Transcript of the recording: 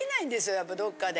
やっぱどっかで。